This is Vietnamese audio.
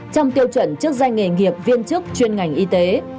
trong tiêu chuẩn chức danh nghề nghiệp viên chức chuyên ngành y tế